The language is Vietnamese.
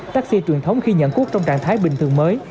taxi truyền thống khi nhận cút trong trạng thái bình thường mới